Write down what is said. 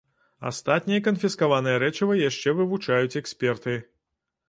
Астатняе канфіскаванае рэчыва яшчэ вывучаюць эксперты.